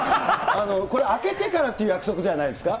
これ、開けてからっていう約束じゃないですか。